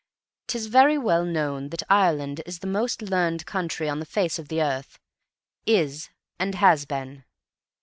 'Tis very well known that Ireland is the most learned country on the face of the earth is, and has been.